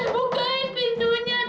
bukain pintunya deh